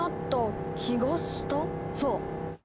そう。